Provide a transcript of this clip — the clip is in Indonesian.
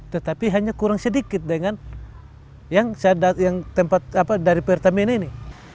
tetapi hanya kurang sedikit dengan yang saya dapat yang tempat apa dari pertamina ini